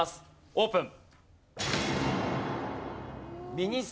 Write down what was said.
オープン。